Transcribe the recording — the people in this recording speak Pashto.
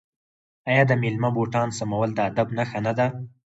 آیا د میلمه بوټان سمول د ادب نښه نه ده؟